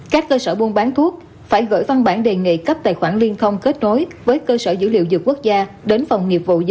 các cơ sở buôn bán thuốc phải gửi văn bản đề nghị cấp tài khoản liên thông kết nối với cơ sở dữ liệu dược quốc gia đến phòng nghiệp vụ